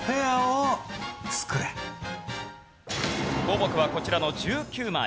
項目はこちらの１９枚。